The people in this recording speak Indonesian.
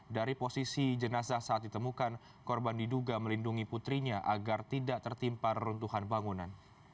dari posisi jenazah saat ditemukan korban diduga melindungi putrinya agar tidak tertimpa reruntuhan bangunan